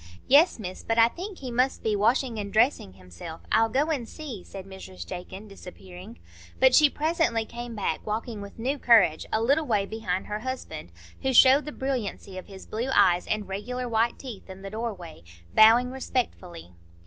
"Yes, Miss; but I think he must be washing and dressing himself; I'll go and see," said Mrs Jakin, disappearing. But she presently came back walking with new courage a little way behind her husband, who showed the brilliancy of his blue eyes and regular white teeth in the doorway, bowing respectfully.